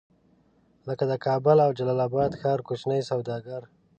لکه د کابل او جلال اباد ښار کوچني سوداګر.